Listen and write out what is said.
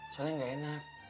soalnya gak enak